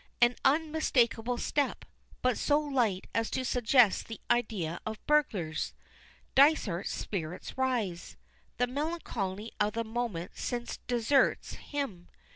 An unmistakable step, but so light as to suggest the idea of burglars. Dysart's spirits rise. The melancholy of a moment since deserts him.